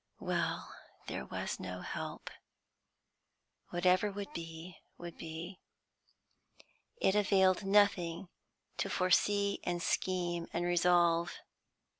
Well, there was no help. Whatever would be, would be. It availed nothing to foresee and scheme and resolve.